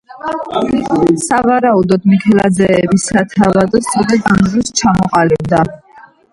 სავარაუდოდ მიქელაძეების სათავადო სწორედ ამ დროს ჩამოყალიბდა.